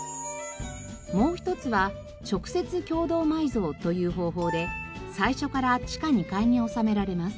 もう一つは直接共同埋蔵という方法で最初から地下２階に納められます。